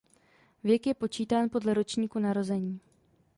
Věk je počítán podle ročníku narození.